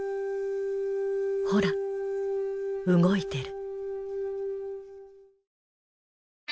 ほら動いてる。